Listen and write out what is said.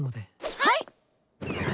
はい！